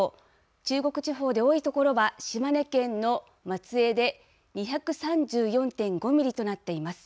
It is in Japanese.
中国地方で多い所は、島根県の松江で、２３４．５ミリとなっています。